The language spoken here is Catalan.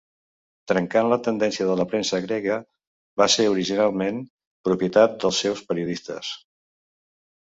Trencant la tendència de la premsa grega, va ser originalment propietat dels seus periodistes.